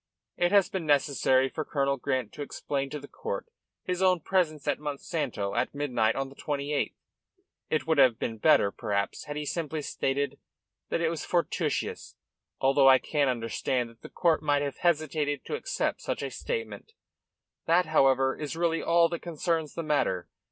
It has been necessary for Colonel Grant to explain to the court his own presence at Monsanto at midnight on the 28th. It would have been better, perhaps, had he simply stated that it was fortuitous, although I can understand that the court might have hesitated to accept such a statement. That, however, is really all that concerns the matter.